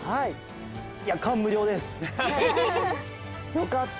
よかった！